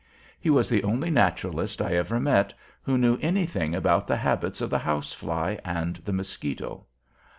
He was the only naturalist I ever met who knew anything about the habits of the house fly and the mosquito.